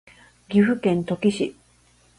岐阜県土岐市